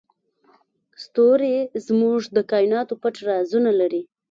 ستوري زموږ د کایناتو پټ رازونه لري.